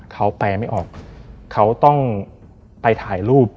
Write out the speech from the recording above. เขาแปลไม่ออกเขาต้องไปถ่ายรูป